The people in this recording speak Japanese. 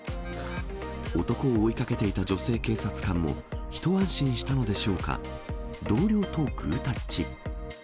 男を追いかけていた女性警察官も一安心したのでしょうか、同僚とグータッチ。